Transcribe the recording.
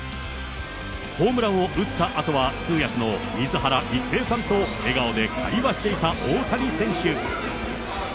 ホームランを打ったあとは、通訳の水原一平さんと笑顔で会話していた大谷選手。